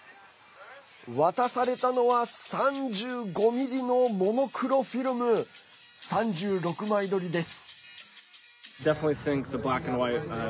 渡されたのは３５ミリのモノクロフィルム３６枚撮りです。